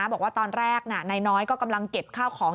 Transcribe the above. บอกว่าตอนแรกนายน้อยก็กำลังเก็บข้าวของ